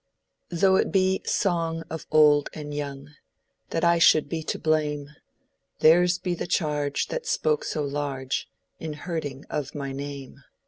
"Though it be songe of old and yonge, That I sholde be to blame, Theyrs be the charge, that spoke so large In hurtynge of my name."